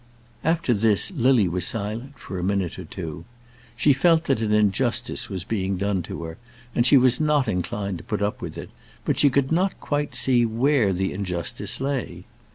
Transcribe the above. After this Lily was silent for a minute or two. She felt that an injustice was being done to her and she was not inclined to put up with it, but she could not quite see where the injustice lay.